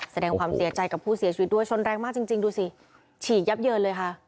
แสดงความเสียใจกับผู้เสียชีวิตด้วยชนแรงมากจริงดูสิฉีกยับเยินเลยค่ะ